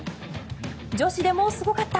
女子でもすごかった。